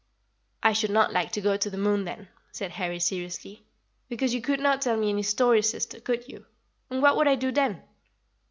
"I should not like to go to the moon, then," said Harry seriously, "because you could not tell me any stories, sister, could you? What would I do then?"